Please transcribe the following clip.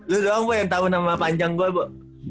lu doang yang tau nama panjang gue bo